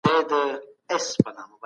هغه زیاتوي: